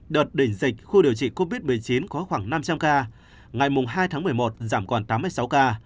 đợt đỉnh dịch khu điều trị covid một mươi chín có khoảng năm trăm linh ca ngày hai tháng một mươi một giảm còn tám mươi sáu ca